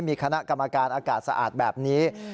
มีคณะกรรมการอากาศสะอาดแบบนี้